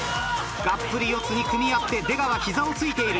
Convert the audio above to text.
がっぷり四つに組み合って出川膝を突いている。